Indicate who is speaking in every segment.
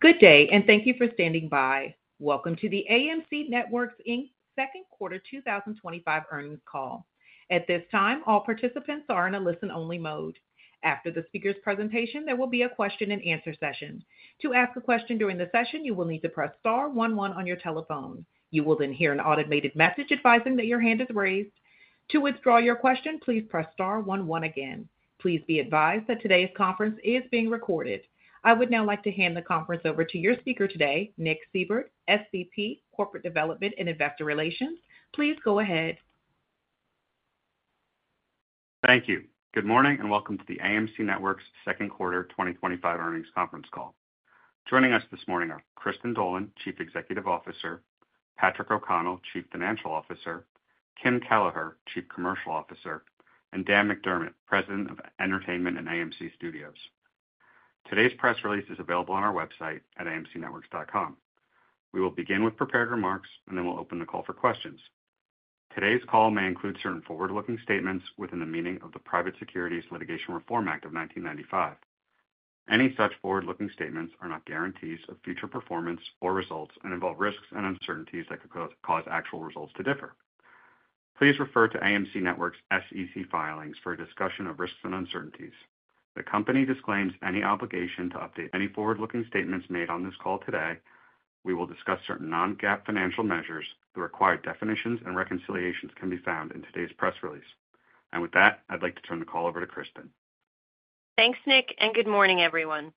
Speaker 1: Good day, and thank you for standing by. Welcome to the AMC Networks Inc. Second Quarter 2025 Earnings Call. At this time, all participants are in a listen-only mode. After the speaker's presentation, there will be a question-and-answer session. To ask a question during the session, you will need to press Star, one, one on your telephone. You will then hear an automated message advising that your hand is raised. To withdraw your question, please press Star, one, one again. Please be advised that today's conference is being recorded. I would now like to hand the conference over to your speaker today, Nick Seibert, SVP, Corporate Development and Investor Relations. Please go ahead.
Speaker 2: Thank you. Good morning and welcome to the AMC Networks Second Quarter 2025 Earnings Conference Call. Joining us this morning are Kristin Dolan, Chief Executive Officer, Patrick O'Connell, Chief Financial Officer, Kim Kelleher, Chief Commercial Officer, and Dan McDermott, President of Entertainment and AMC Studios. Today's press release is available on our website at amcnetworks.com. We will begin with prepared remarks, then we'll open the call for questions. Today's call may include certain forward-looking statements within the meaning of the Private Securities Litigation Reform Act of 1995. Any such forward-looking statements are not guarantees of future performance or results and involve risks and uncertainties that could cause actual results to differ. Please refer to AMC Networks' SEC filings for a discussion of risks and uncertainties. The company disclaims any obligation to update any forward-looking statements made on this call today. We will discuss certain non-GAAP financial measures. The required definitions and reconciliations can be found in today's press release. With that, I'd like to turn the call over to Kristin.
Speaker 3: Thanks, Nick, and good morning, everyone.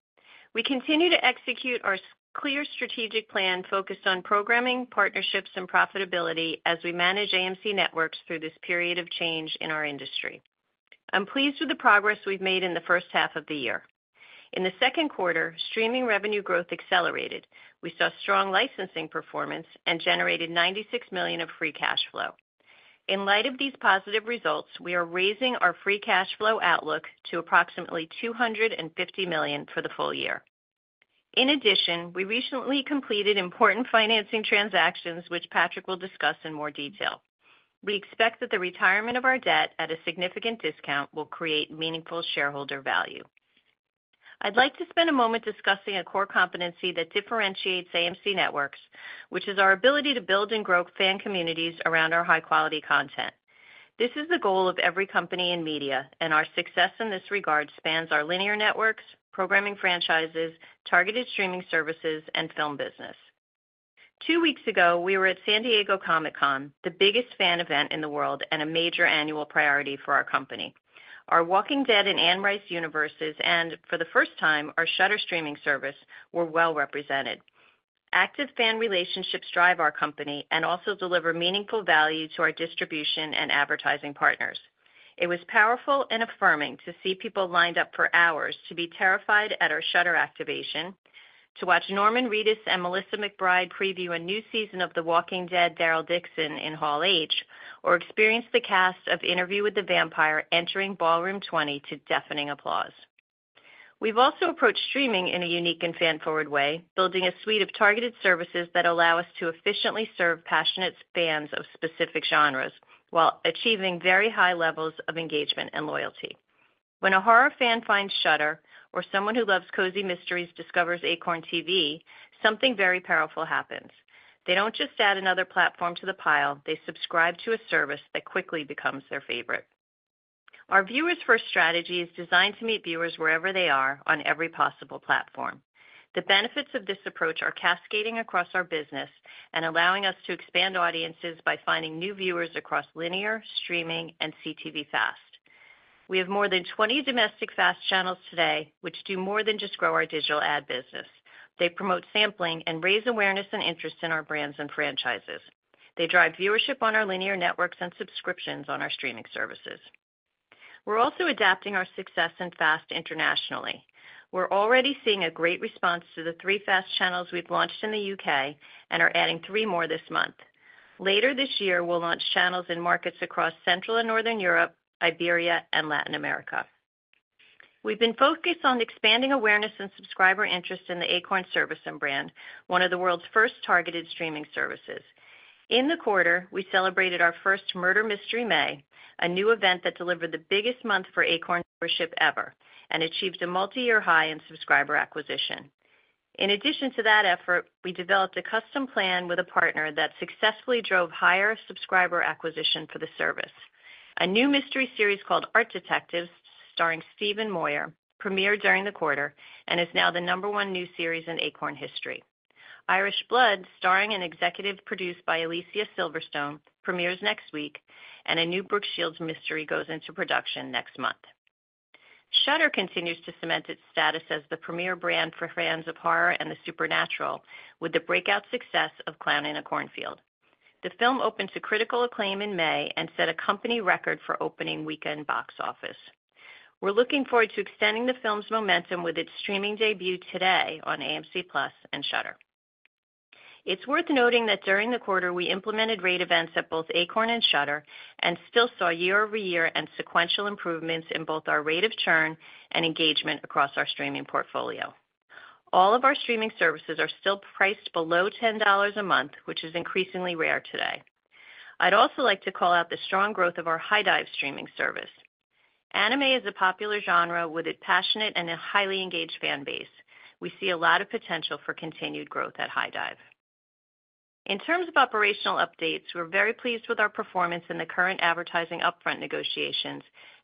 Speaker 3: We continue to execute our clear strategic plan focused on programming, partnerships, and profitability as we manage AMC Networks through this period of change in our industry. I'm pleased with the progress we've made in the first half of the year. In the second quarter, streaming revenue growth accelerated. We saw strong licensing performance and generated $96 million of free cash flow. In light of these positive results, we are raising our free cash flow outlook to approximately $250 million for the full year. In addition, we recently completed important financing transactions, which Patrick will discuss in more detail. We expect that the retirement of our debt at a significant discount will create meaningful shareholder value. I'd like to spend a moment discussing a core competency that differentiates AMC Networks, which is our ability to build and grow fan communities around our high-quality content. This is the goal of every company in media, and our success in this regard spans our linear networks, programming franchises, targeted streaming services, and film business. Two weeks ago, we were at San Diego Comic-Con, the biggest fan event in the world and a major annual priority for our company. Our Walking Dead and Anne Rice universes, and for the first time, our Shudder streaming service, were well represented. Active fan relationships drive our company and also deliver meaningful value to our distribution and advertising partners. It was powerful and affirming to see people lined up for hours to be terrified at our Shudder activation, to watch Norman Reedus and Melissa McBride preview a new season of The Walking Dead: Daryl Dixon in Hall H, or experience the cast of Interview with the Vampire entering Ballroom 20 to deafening applause. We've also approached streaming in a unique and fan-forward way, building a suite of targeted services that allow us to efficiently serve passionate fans of specific genres while achieving very high levels of engagement and loyalty. When a horror fan finds Shudder, or someone who loves cozy mysteries discovers Acorn TV, something very powerful happens. They don't just add another platform to the pile; they subscribe to a service that quickly becomes their favorite. Our viewers-first strategy is designed to meet viewers wherever they are on every possible platform. The benefits of this approach are cascading across our business and allowing us to expand audiences by finding new viewers across linear, streaming, and CTV FAST. We have more than 20 domestic FAST channels today, which do more than just grow our digital ad business. They promote sampling and raise awareness and interest in our brands and franchises. They drive viewership on our linear networks and subscriptions on our streaming services. We're also adapting our success in FAST internationally. We're already seeing a great response to the three FAST channels we've launched in the U.K. and are adding three more this month. Later this year, we'll launch channels in markets across Central and Northern Europe, Iberia, and Latin America. We've been focused on expanding awareness and subscriber interest in the Acorn TV service and brand, one of the world's first targeted streaming services. In the quarter, we celebrated our first Murder Mystery May, a new event that delivered the biggest month for Acorn TV membership ever and achieved a multi-year high in subscriber acquisition. In addition to that effort, we developed a custom plan with a partner that successfully drove higher subscriber acquisition for the service. A new mystery series called Art Detectives, starring Stephen Moyer, premiered during the quarter and is now the number one new series in Acorn TV history. Irish Blood, starring and executive produced by Alicia Silverstone, premieres next week, and a new Brooke Shields mystery goes into production next month. Shudder continues to cement its status as the premiere brand for fans of horror and the supernatural with the breakout success of Clown in a Cornfield. The film opened to critical acclaim in May and set a company record for opening weekend box office. We're looking forward to extending the film's momentum with its streaming debut today on AMC+ and Shudder. It's worth noting that during the quarter, we implemented rate events at both Acorn TV and Shudder and still saw year-over-year and sequential improvements in both our rate of churn and engagement across our streaming portfolio. All of our streaming services are still priced below $10 a month, which is increasingly rare today. I'd also like to call out the strong growth of our HIDIVE streaming service. Anime is a popular genre with a passionate and highly engaged fan base. We see a lot of potential for continued growth at HIDIVE. In terms of operational updates, we're very pleased with our performance in the current advertising upfront negotiations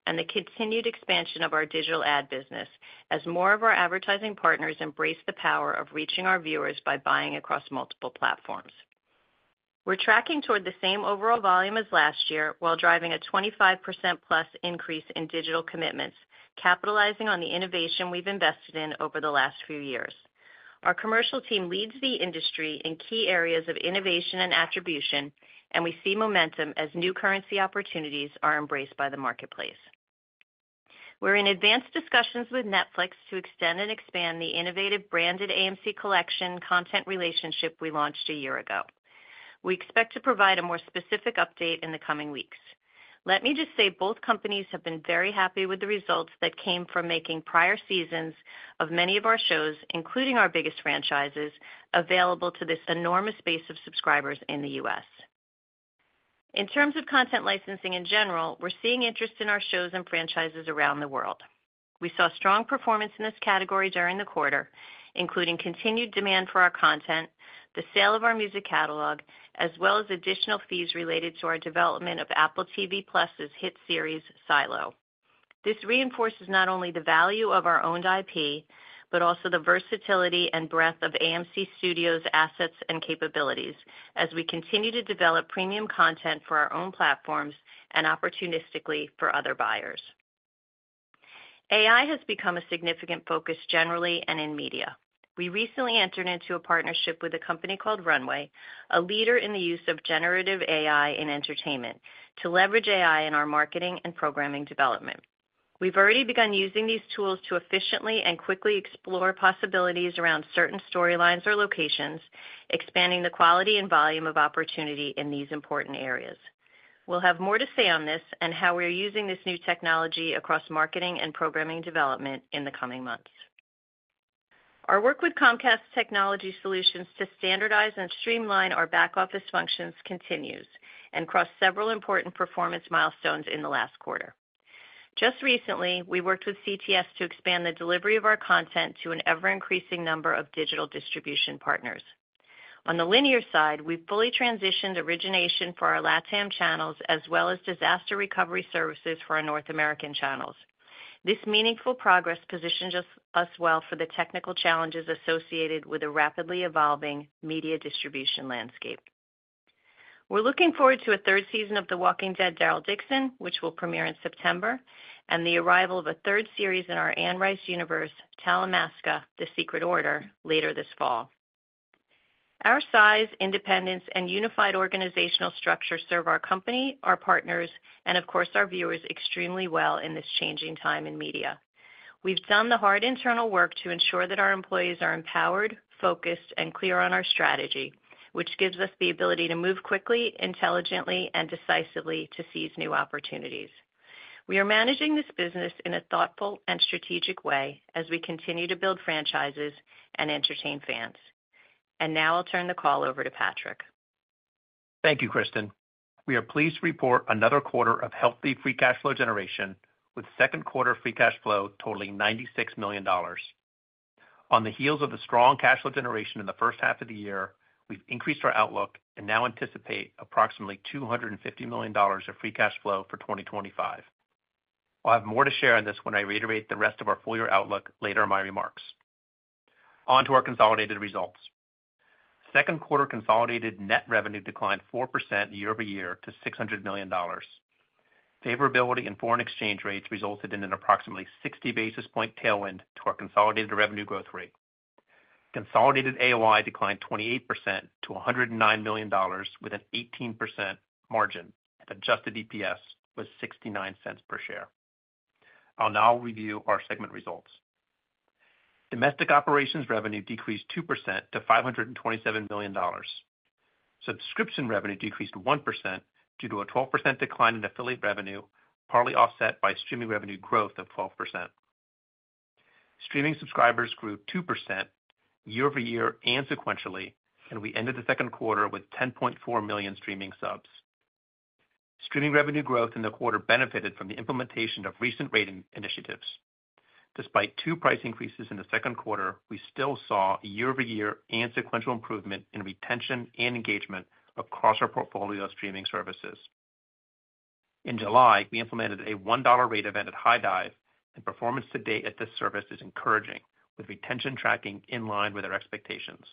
Speaker 3: and the continued expansion of our digital ad business as more of our advertising partners embrace the power of reaching our viewers by buying across multiple platforms. We're tracking toward the same overall volume as last year while driving a 25%+ increase in digital commitments, capitalizing on the innovation we've invested in over the last few years. Our commercial team leads the industry in key areas of innovation and attribution, and we see momentum as new currency opportunities are embraced by the marketplace. We're in advanced discussions with Netflix to extend and expand the innovative branded AMC collection content relationship we launched a year ago. We expect to provide a more specific update in the coming weeks. Let me just say both companies have been very happy with the results that came from making prior seasons of many of our shows, including our biggest franchises, available to this enormous base of subscribers in the U.S. In terms of content licensing in general, we're seeing interest in our shows and franchises around the world. We saw strong performance in this category during the quarter, including continued demand for our content, the sale of our music catalog, as well as additional fees related to our development of Apple TV+'s hit series Silo. This reinforces not only the value of our owned IP, but also the versatility and breadth of AMC Studios' assets and capabilities as we continue to develop premium content for our own platforms and opportunistically for other buyers. AI has become a significant focus generally and in media. We recently entered into a partnership with a company called Runway, a leader in the use of generative AI in entertainment, to leverage AI in our marketing and programming development. We've already begun using these tools to efficiently and quickly explore possibilities around certain storylines or locations, expanding the quality and volume of opportunity in these important areas. We'll have more to say on this and how we're using this new technology across marketing and programming development in the coming months. Our work with Comcast Technology Solutions to standardize and streamline our back-office functions continues and crossed several important performance milestones in the last quarter. Just recently, we worked with CTS to expand the delivery of our content to an ever-increasing number of digital distribution partners. On the linear side, we fully transitioned origination for our LatAm channels as well as disaster recovery services for our North American channels. This meaningful progress positions us well for the technical challenges associated with a rapidly evolving media distribution landscape. We are looking forward to a third season of The Walking Dead: Daryl Dixon, which will premiere in September, and the arrival of a third series in our Anne Rice universe, Talamasca: The Secret Order, later this fall. Our size, independence, and unified organizational structure serve our company, our partners, and of course, our viewers extremely well in this changing time in media. We have done the hard internal work to ensure that our employees are empowered, focused, and clear on our strategy, which gives us the ability to move quickly, intelligently, and decisively to seize new opportunities. We are managing this business in a thoughtful and strategic way as we continue to build franchises and entertain fans. Now I'll turn the call over to Patrick.
Speaker 4: Thank you, Kristin. We are pleased to report another quarter of healthy free cash flow generation with second quarter free cash flow totaling $96 million. On the heels of the strong cash flow generation in the first half of the year, we've increased our outlook and now anticipate approximately $250 million of free cash flow for 2025. I'll have more to share on this when I reiterate the rest of our full-year outlook later in my remarks. On to our consolidated results. Second quarter consolidated net revenue declined 4% year-over-year to $600 million. Favorability in foreign exchange rates resulted in an approximately 60 basis point tailwind to our consolidated revenue growth rate. Consolidated AOI declined 28% to $109 million with an 18% margin, and adjusted EPS was $0.69 per share. I'll now review our segment results. Domestic operations revenue decreased 2% to $527 million. Subscription revenue decreased 1% due to a 12% decline in affiliate revenue, partly offset by streaming revenue growth of 12%. Streaming subscribers grew 2% year-over-year and sequentially, and we ended the second quarter with 10.4 million streaming subs. Streaming revenue growth in the quarter benefited from the implementation of recent rating initiatives. Despite two price increases in the second quarter, we still saw year-over-year and sequential improvement in retention and engagement across our portfolio of streaming services. In July, we implemented a $1 rate event at HIDIVE, and performance to date at this service is encouraging, with retention tracking in line with our expectations.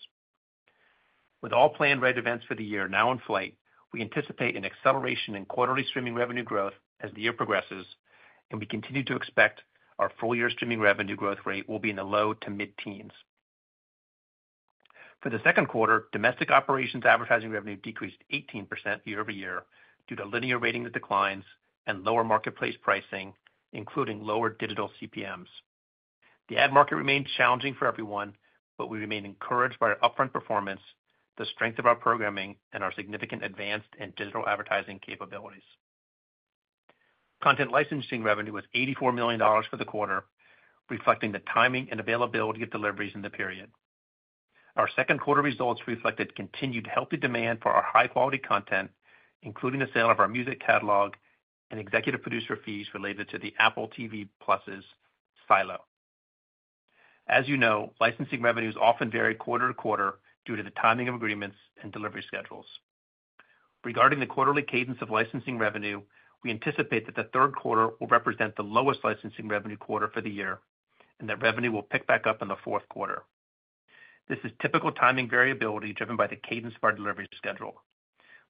Speaker 4: With all planned rate events for the year now in flight, we anticipate an acceleration in quarterly streaming revenue growth as the year progresses, and we continue to expect our full-year streaming revenue growth rate will be in the low to mid-teens. For the second quarter, domestic operations advertising revenue decreased 18% year-over-year due to linear rating declines and lower marketplace pricing, including lower digital CPMs. The ad market remains challenging for everyone, but we remain encouraged by our upfront performance, the strength of our programming, and our significant advanced and digital advertising capabilities. Content licensing revenue was $84 million for the quarter, reflecting the timing and availability of deliveries in the period. Our second quarter results reflected continued healthy demand for our high-quality content, including the sale of our music catalog and executive producer fees related to Apple TV+'s Silo. As you know, licensing revenues often vary quarter to quarter due to the timing of agreements and delivery schedules. Regarding the quarterly cadence of licensing revenue, we anticipate that the third quarter will represent the lowest licensing revenue quarter for the year and that revenue will pick back up in the fourth quarter. This is typical timing variability driven by the cadence of our delivery schedule.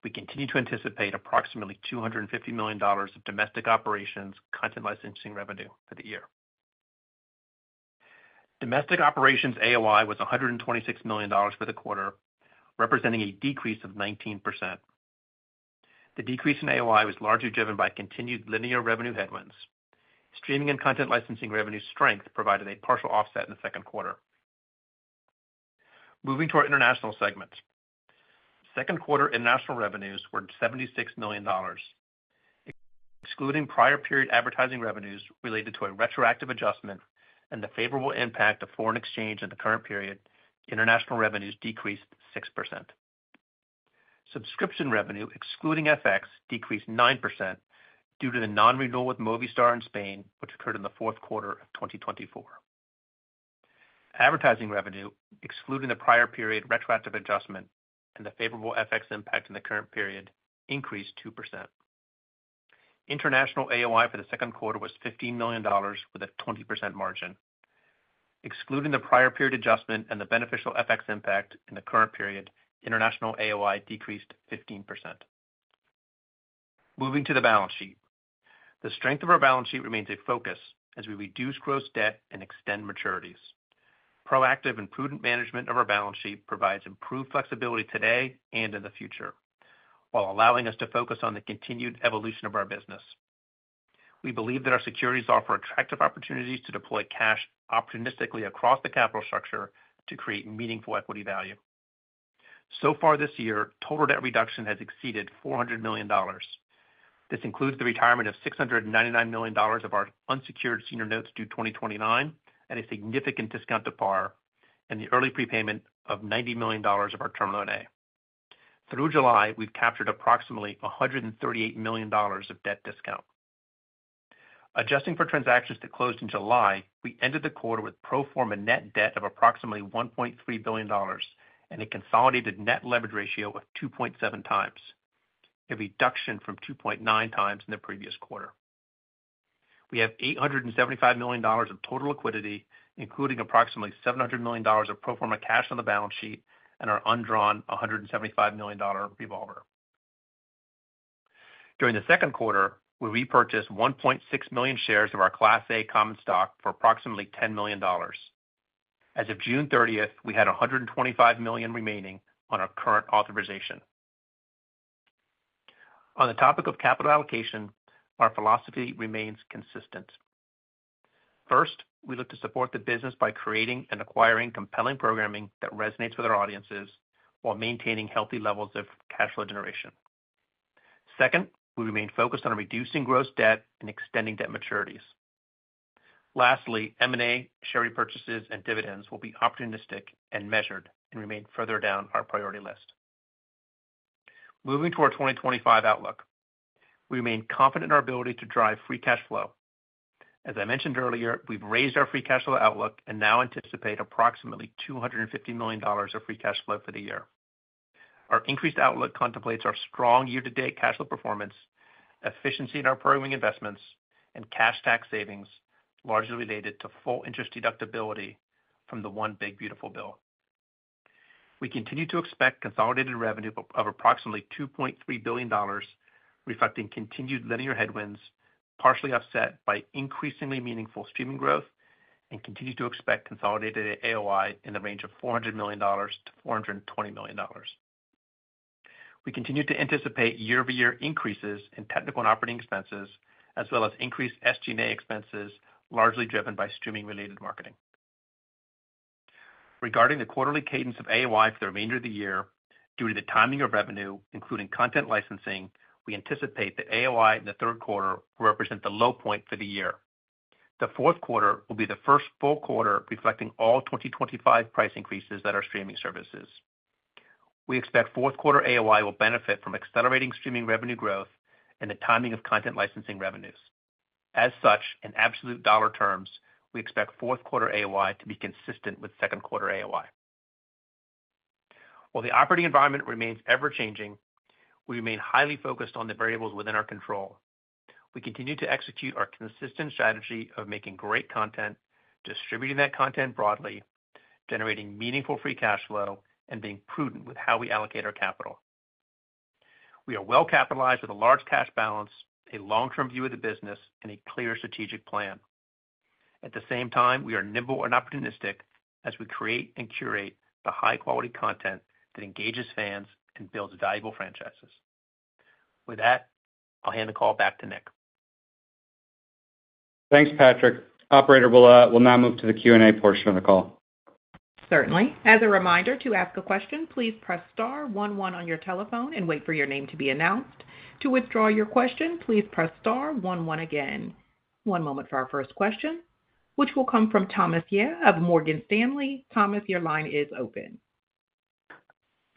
Speaker 4: We continue to anticipate approximately $250 million of domestic operations content licensing revenue for the year. Domestic operations AOI was $126 million for the quarter, representing a decrease of 19%. The decrease in AOI was largely driven by continued linear revenue headwinds. Streaming and content licensing revenue strength provided a partial offset in the second quarter. Moving to our international segments, second quarter international revenues were $76 million. Excluding prior period advertising revenues related to a retroactive adjustment and the favorable impact of foreign exchange in the current period, international revenues decreased 6%. Subscription revenue, excluding FX, decreased 9% due to the non-renewal with Movistar in Spain, which occurred in the fourth quarter of 2024. Advertising revenue, excluding the prior period retroactive adjustment and the favorable FX impact in the current period, increased 2%. International AOI for the second quarter was $15 million with a 20% margin. Excluding the prior period adjustment and the beneficial FX impact in the current period, international AOI decreased 15%. Moving to the balance sheet, the strength of our balance sheet remains a focus as we reduce gross debt and extend maturities. Proactive and prudent management of our balance sheet provides improved flexibility today and in the future, while allowing us to focus on the continued evolution of our business. We believe that our securities offer attractive opportunities to deploy cash opportunistically across the capital structure to create meaningful equity value. So far this year, total debt reduction has exceeded $400 million. This includes the retirement of $699 million of our unsecured senior notes due 2029 at a significant discount to par and the early prepayment of $90 million of our Term Loan A. Through July, we've captured approximately $138 million of debt discount. Adjusting for transactions that closed in July, we ended the quarter with pro forma net debt of approximately $1.3 billion and a consolidated net leverage ratio of 2.7x a reduction from 2.9x in the previous quarter. We have $875 million of total liquidity, including approximately $700 million of pro forma cash on the balance sheet and our undrawn $175 million revolver. During the second quarter, we repurchased 1.6 million shares of our Class A common stock for approximately $10 million. As of June 30th, we had $125 million remaining on our current authorization. On the topic of capital allocation, our philosophy remains consistent. First, we look to support the business by creating and acquiring compelling programming that resonates with our audiences while maintaining healthy levels of cash flow generation. Second, we remain focused on reducing gross debt and extending debt maturities. Lastly, M&A, share repurchases, and dividends will be opportunistic and measured and remain further down our priority list. Moving to our 2025 outlook, we remain confident in our ability to drive free cash flow. As I mentioned earlier, we've raised our free cash flow outlook and now anticipate approximately $250 million of free cash flow for the year. Our increased outlook contemplates our strong year-to-date cash flow performance, efficiency in our programming investments, and cash tax savings largely related to full interest deductibility from the One Big Beautiful Bill. We continue to expect consolidated revenue of approximately $2.3 billion, reflecting continued linear headwinds partially offset by increasingly meaningful streaming growth, and continue to expect consolidated AOI in the range of $400 million-$420 million. We continue to anticipate year-over-year increases in technical and operating expenses, as well as increased SG&A expenses largely driven by streaming-related marketing. Regarding the quarterly cadence of AOI for the remainder of the year, due to the timing of revenue, including content licensing, we anticipate that AOI in the third quarter will represent the low point for the year. The fourth quarter will be the first full quarter reflecting all 2025 price increases that are streaming services. We expect fourth quarter AOI will benefit from accelerating streaming revenue growth and the timing of content licensing revenues. As such, in absolute dollar terms, we expect fourth quarter AOI to be consistent with second quarter AOI. While the operating environment remains ever-changing, we remain highly focused on the variables within our control. We continue to execute our consistent strategy of making great content, distributing that content broadly, generating meaningful free cash flow, and being prudent with how we allocate our capital. We are well capitalized with a large cash balance, a long-term view of the business, and a clear strategic plan. At the same time, we are nimble and opportunistic as we create and curate the high-quality content that engages fans and builds valuable franchises. With that, I'll hand the call back to Nick.
Speaker 2: Thanks, Patrick. Operator, we'll now move to the Q&A portion of the call.
Speaker 1: Certainly. As a reminder, to ask a question, please press Star, one, one on your telephone and wait for your name to be announced. To withdraw your question, please press Star, one, one again. One moment for our first question, which will come from Thomas Yeh of Morgan Stanley. Thomas, your line is open.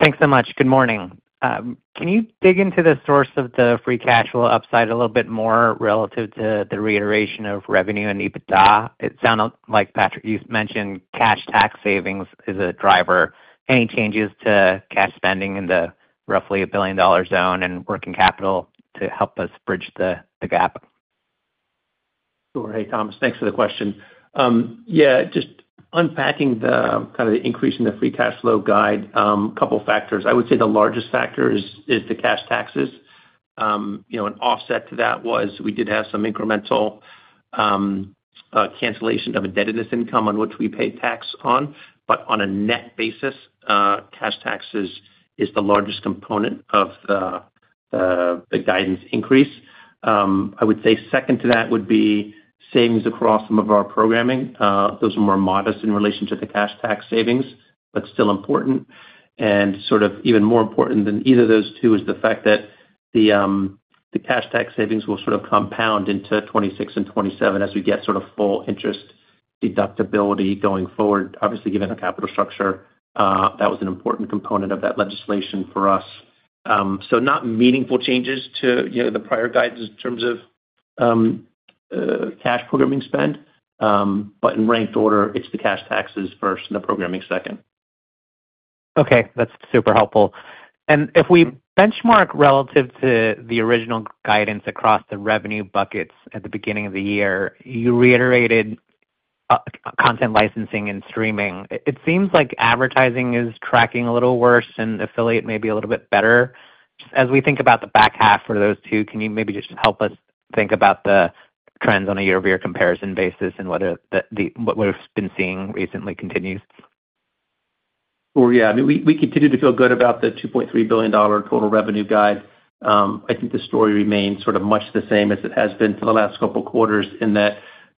Speaker 5: Thanks so much. Good morning. Can you dig into the source of the free cash flow upside a little bit more relative to the reiteration of revenue and EBITDA? It sounded like, Patrick, you mentioned cash tax savings is a driver. Any changes to cash spending in the roughly $1 billion zone and working capital to help us bridge the gap?
Speaker 4: Sure. Hey, Thomas, thanks for the question. Just unpacking the kind of the increase in the free cash flow guide, a couple of factors. I would say the largest factor is the cash taxes. An offset to that was we did have some incremental cancellation of indebtedness income on which we pay tax on. On a net basis, cash taxes is the largest component of the guidance increase. I would say second to that would be savings across some of our programming. Those are more modest in relation to the cash tax savings, but still important. Even more important than either of those two is the fact that the cash tax savings will compound into 2026 and 2027 as we get full interest deductibility going forward. Obviously, given our capital structure, that was an important component of that legislation for us. Not meaningful changes to the prior guidance in terms of cash programming spend. In ranked order, it's the cash taxes first and the programming second.
Speaker 5: Okay, that's super helpful. If we benchmark relative to the original guidance across the revenue buckets at the beginning of the year, you reiterated content licensing and streaming. It seems like advertising is tracking a little worse and affiliate maybe a little bit better. As we think about the back half for those two, can you maybe just help us think about the trends on a year-over-year comparison basis and what we've been seeing recently continues?
Speaker 4: I mean, we continue to feel good about the $2.3 billion total revenue guide. I think the story remains sort of much the same as it has been for the last couple of quarters in that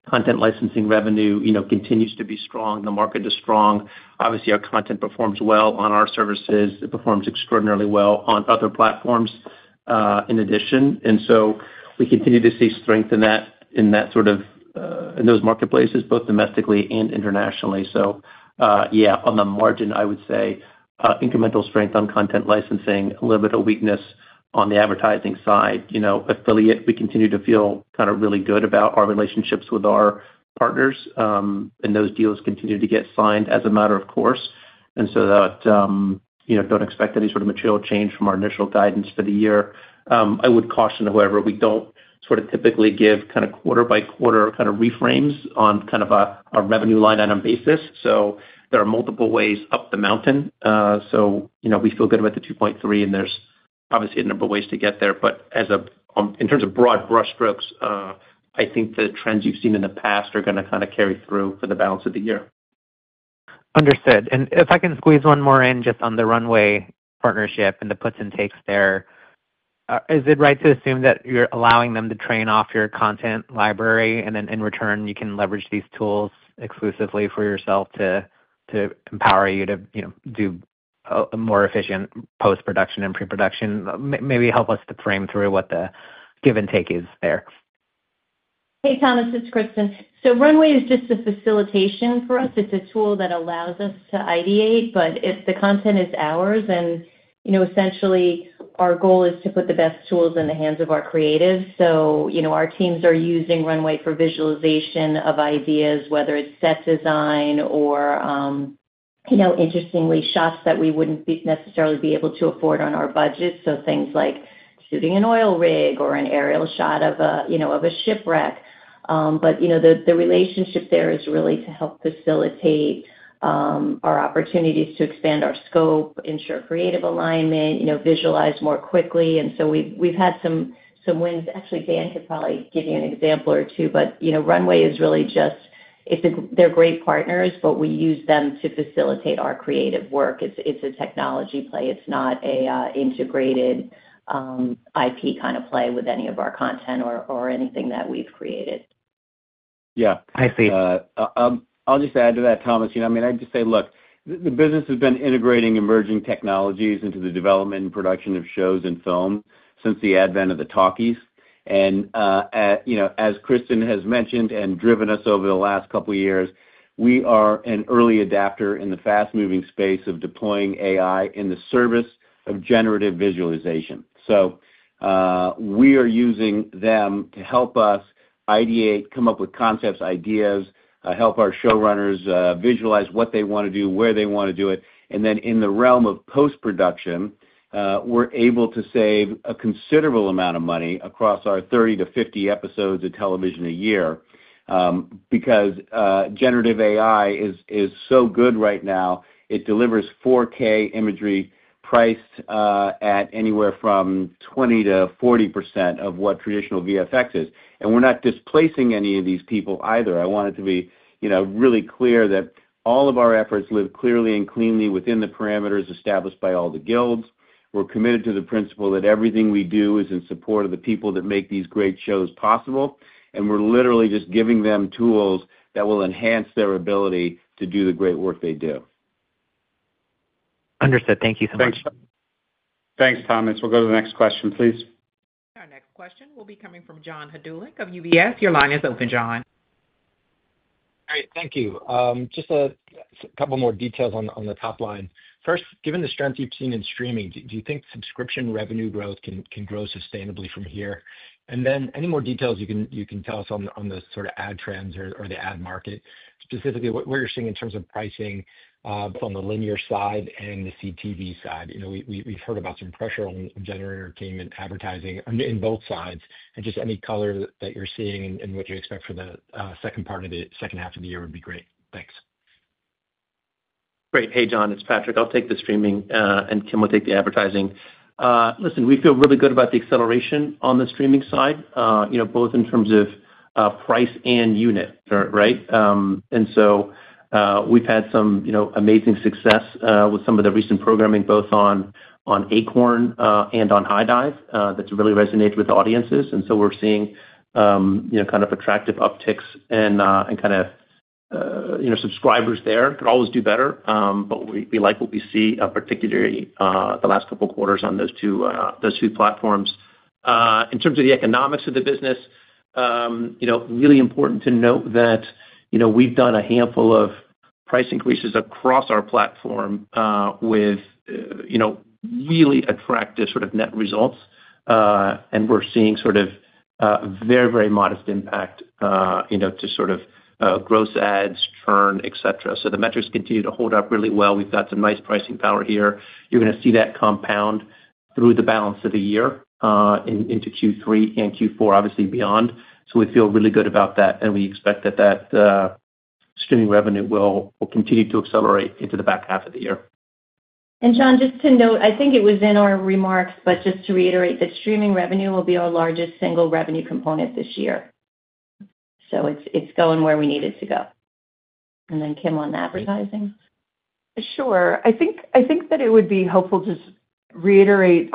Speaker 4: content licensing revenue continues to be strong. The market is strong. Obviously, our content performs well on our services. It performs extraordinarily well on other platforms in addition. We continue to see strength in those marketplaces, both domestically and internationally. On the margin, I would say incremental strength on content licensing, a little bit of weakness on the advertising side. Affiliate, we continue to feel kind of really good about our relationships with our partners, and those deals continue to get signed as a matter of course. You know, don't expect any sort of material change from our initial guidance for the year. I would caution, however, we don't sort of typically give kind of quarter by quarter kind of reframes on a revenue line item basis. There are multiple ways up the mountain. You know, we feel good about the $2.3 billion, and there's obviously a number of ways to get there. In terms of broad brush strokes, I think the trends you've seen in the past are going to kind of carry through for the balance of the year.
Speaker 5: Understood. If I can squeeze one more in just on the Runway partnership and the puts and takes there, is it right to assume that you're allowing them to train off your content library, and then in return, you can leverage these tools exclusively for yourself to empower you to do a more efficient post-production and pre-production? Maybe help us to frame through what the give and take is there.
Speaker 3: Hey, Thomas, it's Kristin. Runway is just a facilitation for us. It's a tool that allows us to ideate, but the content is ours. Essentially, our goal is to put the best tools in the hands of our creatives. Our teams are using Runway for visualization of ideas, whether it's set design or, interestingly, shots that we wouldn't necessarily be able to afford on our budget. Things like shooting an oil rig or an aerial shot of a shipwreck. The relationship there is really to help facilitate our opportunities to expand our scope, ensure creative alignment, and visualize more quickly. We've had some wins. Actually, Dan could probably give you an example or two. Runway is really just, they're great partners, but we use them to facilitate our creative work. It's a technology play. It's not an integrated IP kind of play with any of our content or anything that we've created.
Speaker 6: Yeah.
Speaker 5: I see.
Speaker 6: I'll just add to that, Thomas. I mean, I'd just say, look, the business has been integrating emerging technologies into the development and production of shows and film since the advent of the talkies. As Kristin has mentioned and driven us over the last couple of years, we are an early adapter in the fast-moving space of deploying AI in the service of generative visualization. We are using them to help us ideate, come up with concepts, ideas, help our showrunners visualize what they want to do, where they want to do it. In the realm of post-production, we're able to save a considerable amount of money across our 30-50 episodes of television a year because generative AI is so good right now. It delivers 4K imagery priced at anywhere from 20%-40% of what traditional VFX is. We're not displacing any of these people either. I want it to be really clear that all of our efforts live clearly and cleanly within the parameters established by all the guilds. We're committed to the principle that everything we do is in support of the people that make these great shows possible. We're literally just giving them tools that will enhance their ability to do the great work they do.
Speaker 5: Understood. Thank you so much.
Speaker 2: Thanks, Thomas. We'll go to the next question, please.
Speaker 1: Our next question will be coming from John Hodulik of UBS. Your line is open, John.
Speaker 7: All right, thank you. Just a couple more details on the top line. First, given the strength you've seen in streaming, do you think subscription revenue growth can grow sustainably from here? Any more details you can tell us on the sort of ad trends or the ad market, specifically what you're seeing in terms of pricing both on the linear side and the CTV side? We've heard about some pressure on general entertainment advertising in both sides. Any color that you're seeing and what you expect for the second part of the second half of the year would be great. Thanks. Great.
Speaker 4: Hey, John, it's Patrick. I'll take the streaming and Tim will take the advertising. Listen, we feel really good about the acceleration on the streaming side, both in terms of price and unit, right? We've had some amazing success with some of the recent programming both on Acorn TV and on HIDIVE that really resonates with audiences. We're seeing attractive upticks and subscribers there. Could always do better, but we like what we see, particularly the last couple of quarters on those two platforms. In terms of the economics of the business, it's really important to note that we've done a handful of price increases across our platform with really attractive net results. We're seeing a very, very modest impact to gross adds, churn, etc. The metrics continue to hold up really well. We've got some nice pricing power here. You're going to see that compound through the balance of the year into Q3 and Q4, obviously beyond. We feel really good about that, and we expect that streaming revenue will continue to accelerate into the back half of the year.
Speaker 3: John, just to note, I think it was in our remarks, but just to reiterate that streaming revenue will be our largest single revenue component this year. It's going where we need it to go. Kim on advertising.
Speaker 8: Sure. I think that it would be helpful to just reiterate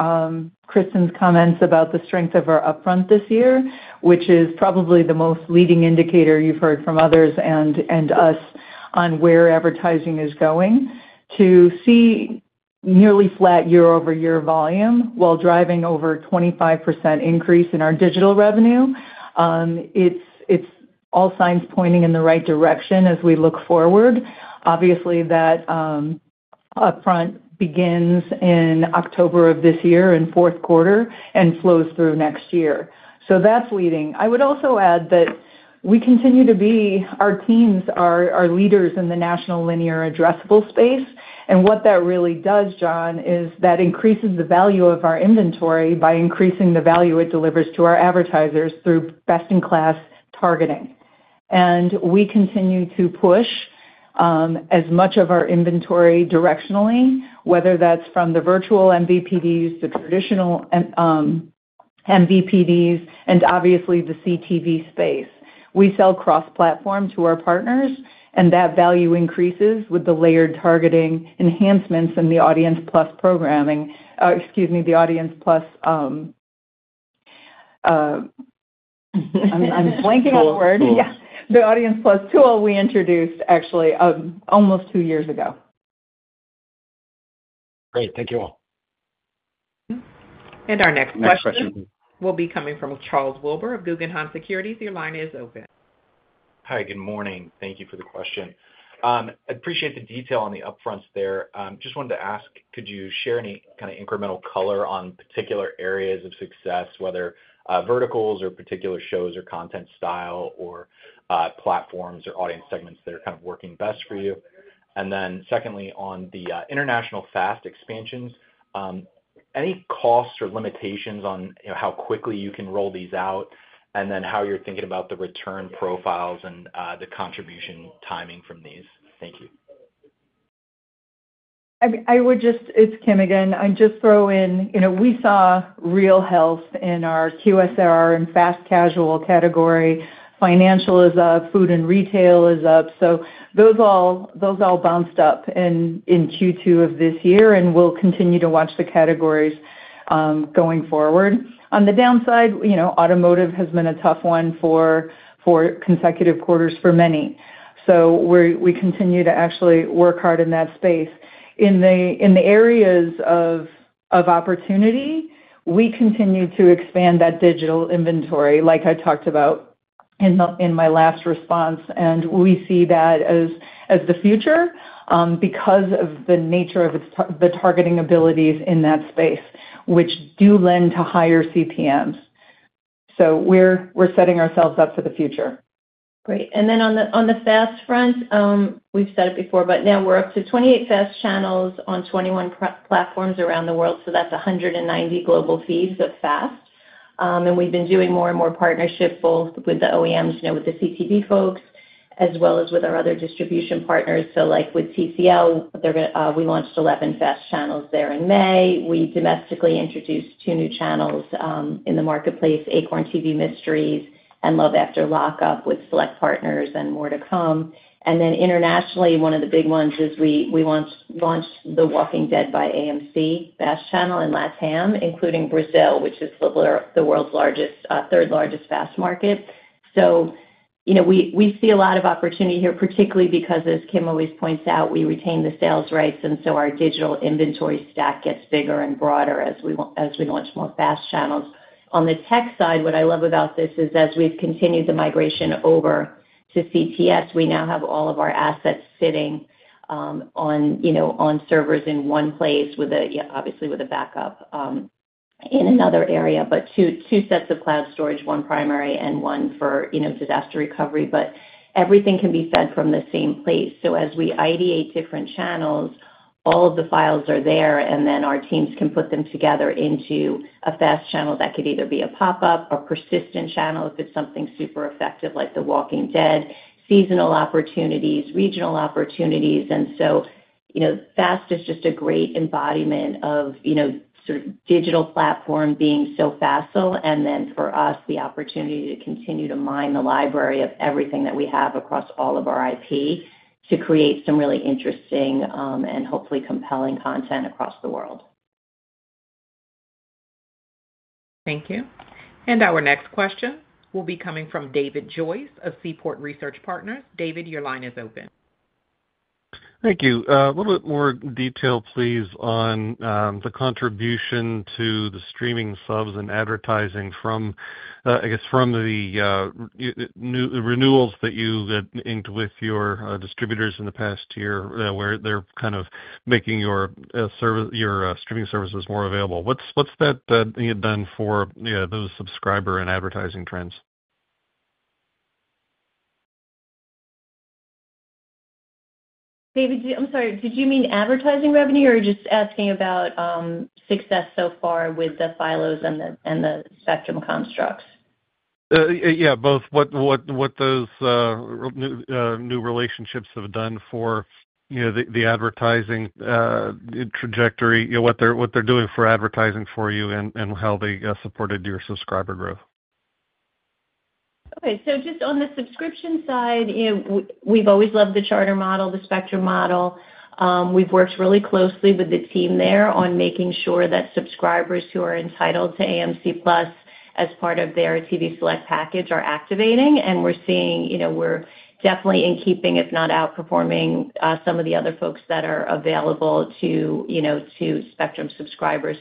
Speaker 8: Kristin's comments about the strength of our upfront this year, which is probably the most leading indicator you've heard from others and us on where advertising is going. To see nearly flat year-over-year volume while driving over a 25% increase in our digital revenue, it's all signs pointing in the right direction as we look forward. Obviously, that upfront begins in October of this year in fourth quarter and flows through next year. That's leading. I would also add that we continue to be, our teams are leaders in the national linear addressable space. What that really does, John, is that increases the value of our inventory by increasing the value it delivers to our advertisers through best-in-class targeting. We continue to push as much of our inventory directionally, whether that's from the virtual MVPDs, the traditional MVPDs, and obviously the CTV space. We sell cross-platform to our partners, and that value increases with the layered targeting enhancements in the AudiencePlus programming. Excuse me, the AudiencePlus. I'm blanking on the word. Yeah, the AudiencePlus tool we introduced, actually, almost two years ago.
Speaker 7: Great. Thank you all.
Speaker 1: Our next question will be coming from Charles Wilber of Guggenheim Securities. Your line is open.
Speaker 9: Hi, good morning. Thank you for the question. I appreciate the detail on the upfronts there. Just wanted to ask, could you share any kind of incremental color on particular areas of success, whether verticals or particular shows or content style or platforms or audience segments that are kind of working best for you? Secondly, on the international FAST expansions, any costs or limitations on how quickly you can roll these out, and how you're thinking about the return profiles and the contribution timing from these? Thank you.
Speaker 8: It's Kim again. I'd just throw in, you know, we saw real health in our QSR and FAST casual category. Financial is up. Food and retail is up. Those all bounced up in Q2 of this year, and we'll continue to watch the categories going forward. On the downside, automotive has been a tough one for consecutive quarters for many. We continue to actually work hard in that space. In the areas of opportunity, we continue to expand that digital inventory, like I talked about in my last response. We see that as the future because of the nature of the targeting abilities in that space, which do lend to higher CPMs. We're setting ourselves up for the future.
Speaker 3: Great. On the FAST front, we've said it before, but now we're up to 28 FAST channels on 21 platforms around the world. That's 190 global feeds of FAST. We've been doing more and more partnerships both with the OEMs, with the CTV folks, as well as with our other distribution partners. For example, with TCL, we launched 11 FAST channels there in May. We domestically introduced two new channels in the marketplace, Acorn TV Mysteries and Love After Lockup, with select partners and more to come. Internationally, one of the big ones is we launched The Walking Dead by AMC FAST channel in Latin America, including Brazil, which is the world's third largest FAST market. We see a lot of opportunity here, particularly because, as Kim always points out, we retain the sales rights. Our digital inventory stack gets bigger and broader as we launch more FAST channels. On the tech side, what I love about this is as we've continued the migration over to CTS, we now have all of our assets sitting on servers in one place, obviously with a backup in another area, but two sets of cloud storage, one primary and one for disaster recovery. Everything can be fed from the same place. As we ideate different channels, all of the files are there, and our teams can put them together into a FAST channel that could either be a pop-up or persistent channel if it's something super effective like The Walking Dead, seasonal opportunities, or regional opportunities. FAST is just a great embodiment of a digital platform being so fast. For us, the opportunity is to continue to mine the library of everything that we have across all of our IP to create some really interesting and hopefully compelling content across the world.
Speaker 1: Thank you. Our next question will be coming from David Joyce of Seaport Research Partners. David, your line is open.
Speaker 10: Thank you. A little bit more detail, please, on the contribution to the streaming subs and advertising from, I guess, from the renewals that you've inked with your distributors in the past year, where they're kind of making your streaming services more available. What's that done for those subscriber and advertising trends?
Speaker 8: David, I'm sorry, did you mean advertising revenue or just asking about success so far with the silos and the spectrum constructs?
Speaker 10: Yeah, both what those new relationships have done for the advertising trajectory, what they're doing for advertising for you, and how they supported your subscriber growth.
Speaker 3: Okay, just on the subscription side, we've always loved the Charter model, the Spectrum model. We've worked really closely with the team there on making sure that subscribers who are entitled to AMC+ as part of their TV select package are activating. We're definitely in keeping, if not outperforming, some of the other folks that are available to Spectrum subscribers.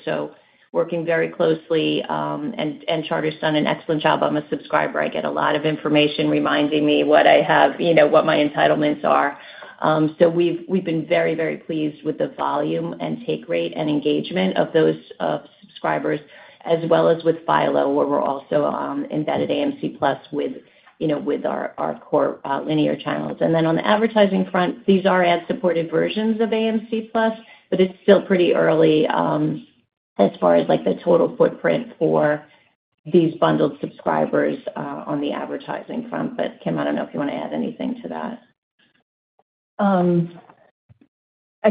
Speaker 3: Working very closely, and Charter's done an excellent job. I'm a subscriber. I get a lot of information reminding me what I have, what my entitlements are. We've been very, very pleased with the volume and take rate and engagement of those subscribers, as well as with Philo, where we're also embedding AMC+ with our core linear channels. On the advertising front, these are ad-supported versions of AMC+, but it's still pretty early as far as the total footprint for these bundled subscribers on the advertising front. Kim, I don't know if you want to add anything to that.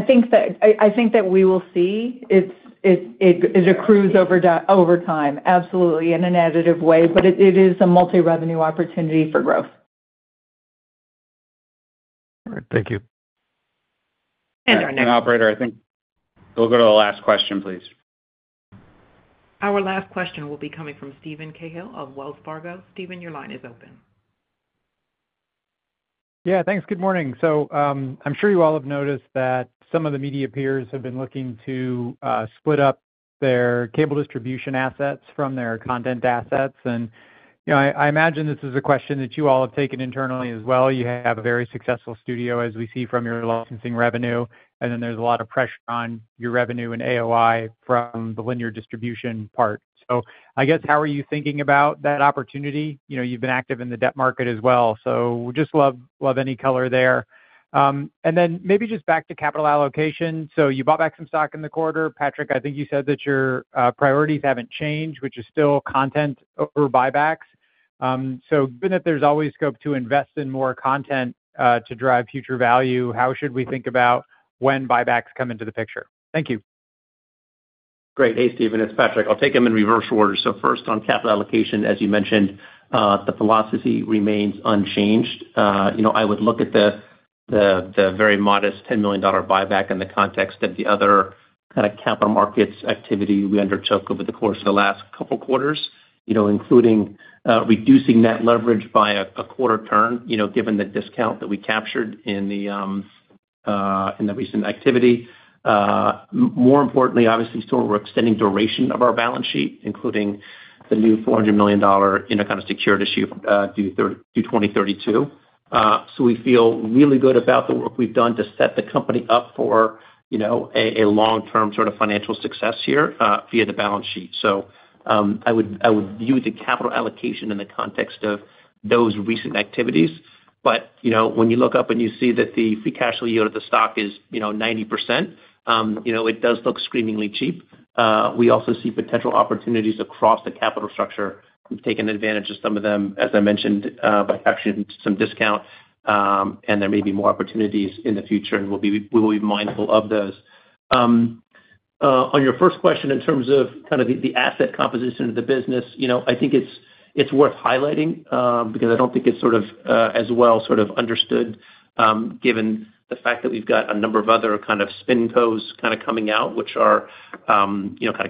Speaker 8: I think that we will see. It accrues over time, absolutely, in an additive way. It is a multi-revenue opportunity for growth.
Speaker 10: All right, thank you.
Speaker 2: Operator, I think we'll go to the last question, please.
Speaker 1: Our last question will be coming from Steven Cahall of Wells Fargo. Steven, your line is open.
Speaker 11: Yeah, thanks. Good morning. I'm sure you all have noticed that some of the media peers have been looking to split up their cable distribution assets from their content assets. I imagine this is a question that you all have taken internally as well. You have a very successful studio, as we see from your licensing revenue. There's a lot of pressure on your revenue and AOI from the linear distribution part. I guess how are you thinking about that opportunity? You've been active in the debt market as well. We just love any color there. Maybe just back to capital allocation. You bought back some stock in the quarter. Patrick, I think you said that your priorities haven't changed, which is still content or buybacks. Given that there's always scope to invest in more content to drive future value, how should we think about when buybacks come into the picture? Thank you.
Speaker 4: Great. Hey, Steven, it's Patrick. I'll take them in reverse order. First, on capital allocation, as you mentioned, the philosophy remains unchanged. I would look at the very modest $10 million buyback in the context of the other kind of capital markets activity we undertook over the course of the last couple of quarters, including reducing net leverage by a quarter turn, given the discount that we captured in the recent activity. More importantly, obviously, we're extending the duration of our balance sheet, including the new $400 million secured issue due 2032. We feel really good about the work we've done to set the company up for a long-term sort of financial success here via the balance sheet. I would view the capital allocation in the context of those recent activities. When you look up and you see that the free cash flow yield of the stock is 90%, it does look screamingly cheap. We also see potential opportunities across the capital structure. We've taken advantage of some of them, as I mentioned, by capturing some discount. There may be more opportunities in the future, and we'll be mindful of those. On your first question, in terms of the asset composition of the business, I think it's worth highlighting because I don't think it's as well understood, given the fact that we've got a number of other spin posts coming out, which are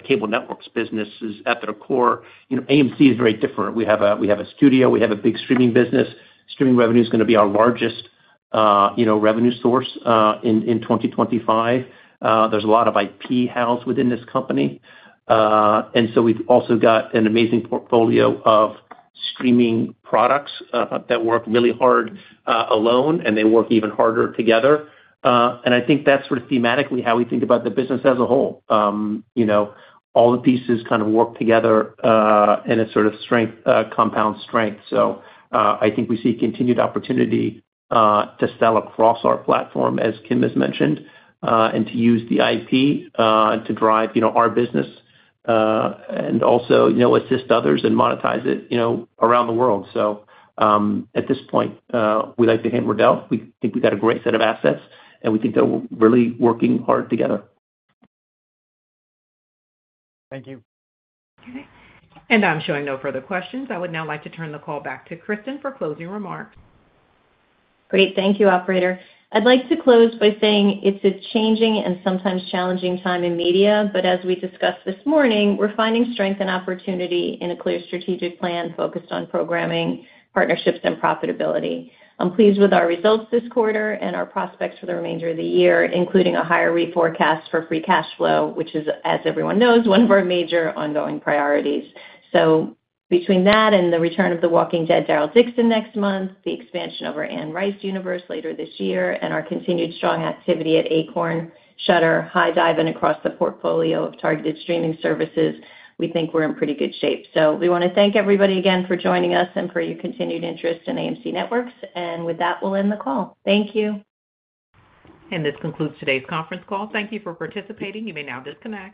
Speaker 4: cable networks businesses at their core. AMC is very different. We have a studio. We have a big streaming business. Streaming revenue is going to be our largest revenue source in 2025. There's a lot of IP housed within this company. We've also got an amazing portfolio of streaming products that work really hard alone, and they work even harder together. I think that's thematically how we think about the business as a whole. All the pieces work together, and it compounds strength. We see continued opportunity to sell across our platform, as Kim has mentioned, and to use the IP to drive our business and also assist others and monetize it around the world. At this point, we'd like to hand it over to Adele. We think we've got a great set of assets, and we think they're really working hard together.
Speaker 11: Thank you.
Speaker 1: I'm showing no further questions. I would now like to turn the call back to Kristin for closing remarks.
Speaker 3: Great, thank you, operator. I'd like to close by saying it's a changing and sometimes challenging time in media. As we discussed this morning, we're finding strength and opportunity in a clear strategic plan focused on programming, partnerships, and profitability. I'm pleased with our results this quarter and our prospects for the remainder of the year, including a higher reforecast for free cash flow, which is, as everyone knows, one of our major ongoing priorities. Between that and the return of The Walking Dead: Daryl Dixon next month, the expansion of our Anne Rice universe later this year, and our continued strong activity at Acorn, Shudder, HIDIVE, and across the portfolio of targeted streaming services, we think we're in pretty good shape. We want to thank everybody again for joining us and for your continued interest in AMC Networks. With that, we'll end the call. Thank you.
Speaker 1: This concludes today's conference call. Thank you for participating. You may now disconnect.